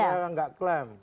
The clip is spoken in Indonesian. ya penting itu juga gak klam